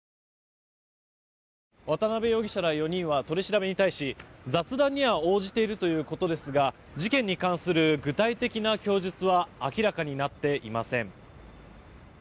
渡邉容疑者ら４人は取り調べに対し雑談には応じているということですが事件に関する具体的な供述は明らかになっていません。